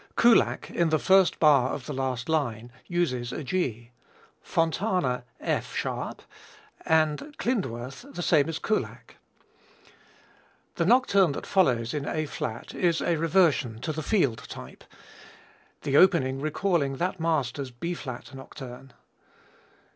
Kullak in the first bar of the last line uses a G; Fontana, F sharp, and Klindworth the same as Kullak. The nocturne that follows in A flat is a reversion to the Field type, the opening recalling that master's B flat Nocturne.